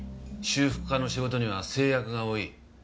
修復家の仕事には制約が多い。